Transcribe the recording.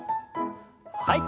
はい。